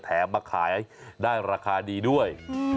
มาขายได้ราคาดีด้วย